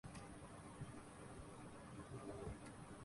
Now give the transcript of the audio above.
وہ قیمتی محل وقوع ہے۔